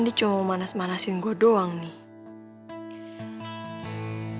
dia cuma mau manas manasin gue doang nih